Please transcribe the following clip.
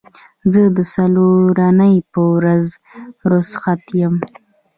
زه د څلورنۍ په ورځ روخصت یم